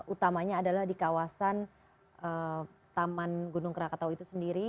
utamanya adalah di kawasan taman gunung krakatau itu sendiri